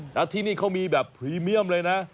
แล้วที่นี่เขามีแบบพรีเมียมเลยนะ